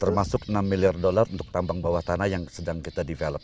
termasuk enam miliar dolar untuk tambang bawah tanah yang sedang kita develop